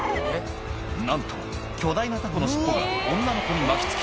なんと巨大な凧の尻尾が女の子に巻きつき